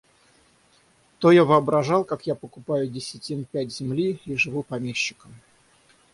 То я воображал, как я покупаю десятин пять земли и живу помещиком.